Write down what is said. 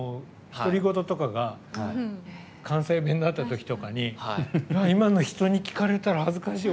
独り言とかが関西弁だった時とか今の人に聞かれたら恥ずかしい。